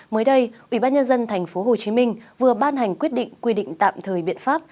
mới đây ủy ban nhân dân tp hcm vừa ban hành quyết định quy định tạm thời biện pháp